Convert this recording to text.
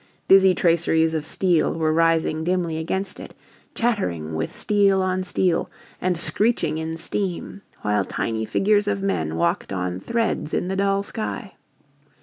Dizzy traceries of steel were rising dimly against it, chattering with steel on steel, and screeching in steam, while tiny figures of men walked on threads in the dull sky.